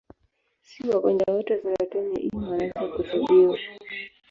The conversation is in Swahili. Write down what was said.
Si wagonjwa wote wa saratani ya ini wanaweza kutibiwa.